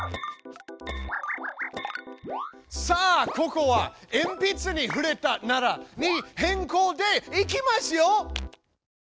さあここは「えんぴつに触れたなら」に変こうでいきますよ！